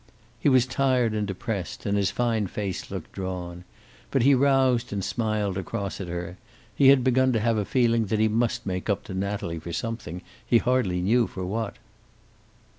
He was tired and depressed, and his fine face looked drawn. But he roused and smiled across at her. He had begun to have a feeling that he must make up to Natalie for something he hardly knew for what.